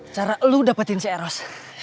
cara lu dapetin si eros